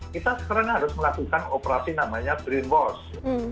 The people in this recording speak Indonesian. kita sekarang harus melakukan operasi namanya brainwash